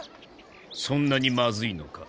そんなにまずいのか？